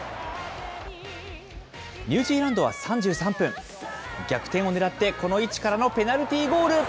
ニュージーランドは３３分、逆転をねらってこの位置からのペナルティーゴール。